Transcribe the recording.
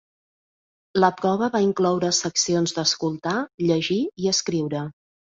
La prova va incloure seccions d'escoltar, llegir i escriure.